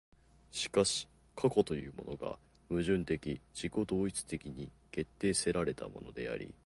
しかし過去というものが矛盾的自己同一的に決定せられたものであり、